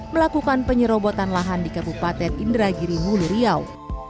melakukan penyerobotan lahan di kabupaten indragiri mulu riau